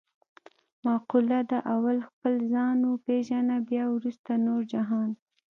مقوله ده: اول خپل ځان و پېژنه بیا ورسته نور جهان.